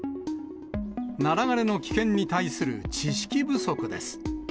ナラ枯れの危険に対する知識不足です。